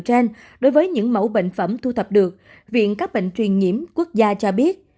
trên đối với những mẫu bệnh phẩm thu thập được viện các bệnh truyền nhiễm quốc gia cho biết